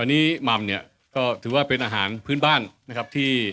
อันนี้มัมเนี่ยก็ถือว่าเป็นอาหารพื้นบ้านนะครับที่